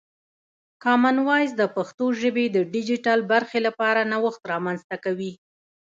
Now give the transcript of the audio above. کامن وایس د پښتو ژبې د ډیجیټل برخې لپاره نوښت رامنځته کوي.